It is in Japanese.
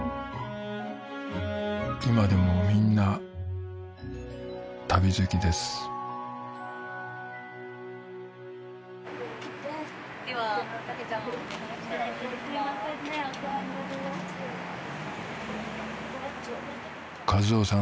今でもみんな旅好きですすみませんね